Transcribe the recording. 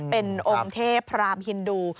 เป็นองค์เทพพรามฮินดู